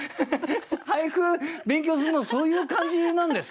俳句勉強するのそういう感じなんですか？